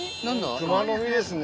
クマノミですね。